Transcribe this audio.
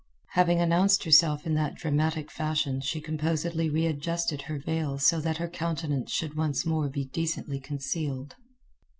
Having announced herself in that dramatic fashion she composedly readjusted her veil so that her countenance should once more be decently concealed.